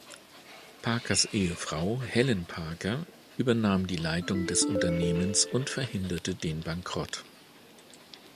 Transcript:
Parkers Ehefrau, Helen Parker, übernahm die Leitung des Unternehmens und verhinderte den Bankrott.